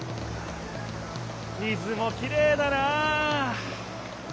水もきれいだな！